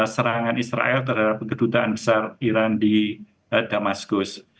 serangan israel terhadap kedutaan besar iran di damaskus